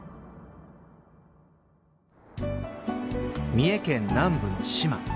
・［三重県南部の志摩］